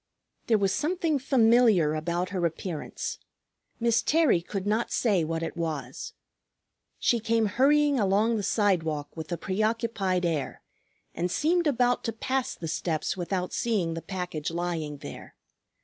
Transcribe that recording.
There was something familiar about her appearance, Miss Terry could not say what it was. She came hurrying along the sidewalk with a preoccupied air, and seemed about to pass the steps without seeing the package lying there.